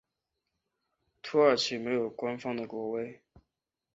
土耳其没有官方的国徽。